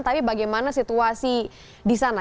tapi bagaimana situasi di sana